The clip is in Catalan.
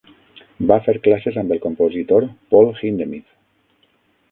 Va fer classes amb el compositor Paul Hindemith.